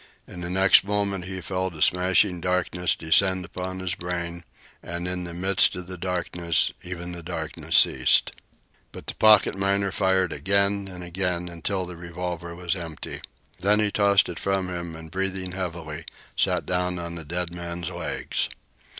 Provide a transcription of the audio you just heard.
In the next moment he felt a smashing darkness descend upon his brain, and in the midst of the darkness even the darkness ceased. But the pocket miner fired again and again, until the revolver was empty. Then he tossed it from him and, breathing heavily, sat down on the dead man's legs.